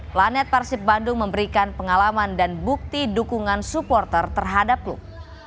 planet persib bandung memberikan pengalaman dan bukti dukungan supporter terhadap klub